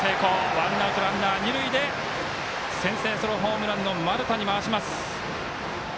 ワンアウト、ランナー、二塁で先制ソロホームランの丸田に回します。